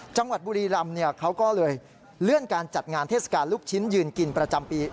จังหวัดบุรีรำเขาก็เลยเลื่อนการจัดงานเทศกาลลูกชิ้นยืนกินประจำปี